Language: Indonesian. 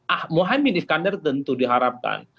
ah mohaimin iskandar tentu diharapkan